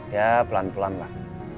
ya pelan pelan lah